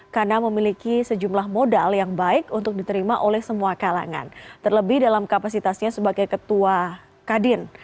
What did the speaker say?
karena memiliki sejumlah modal yang baik untuk diterima oleh semua kalangan terlebih dalam kapasitasnya sebagai ketua kadin